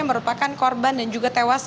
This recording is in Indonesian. yang merupakan korban dan juga tersangka